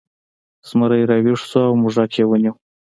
زمری راویښ شو او موږک یې ونیو.